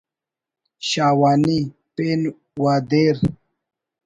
شاہوانی…… پین وا دیر……